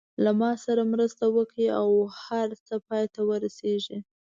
له ما سره مرسته وکړي او هر څه پای ته ورسېږي.